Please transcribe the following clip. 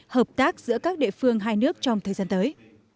hợp tác giữa các địa phương hai nước trong thời gian tới